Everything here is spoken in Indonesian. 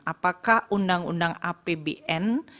apakah undang undang apbn